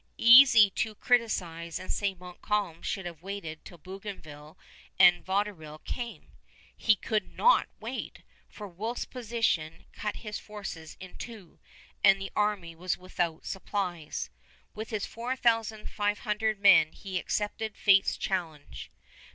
Easy to criticise and say Montcalm should have waited till Bougainville and Vaudreuil came. He could not wait, for Wolfe's position cut his forces in two, and the army was without supplies. With his four thousand five hundred men he accepted fate's challenge.